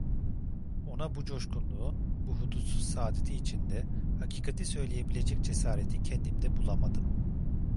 Ona bu coşkunluğu, bu hudutsuz saadeti içinde hakikati söyleyebilecek cesareti kendimde bulamadım.